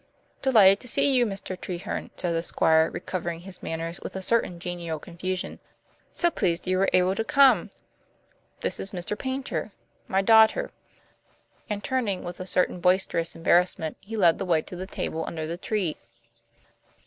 "Delighted to see you, Mr. Treherne," said the Squire, recovering his manners with a certain genial confusion. "So pleased you were able to come. This is Mr. Paynter my daughter," and, turning with a certain boisterous embarrassment, he led the way to the table under the tree.